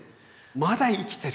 まだ生きてる。